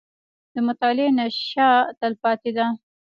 • د مطالعې نیشه، تلپاتې ده.